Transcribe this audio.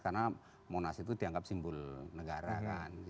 karena monas itu dianggap simbol negara kan